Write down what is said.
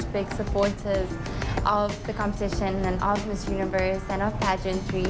และผมรู้สึกที่จะเป็นความรู้สึกที่สุดให้ทุกคนในไทย